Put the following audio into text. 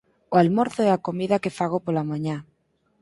O almorzo é a comida que fago pola mañá.